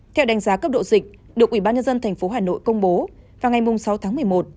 theo đánh giá cấp độ dịch được ubnd tp hà nội công bố vào ngày sáu tháng một mươi một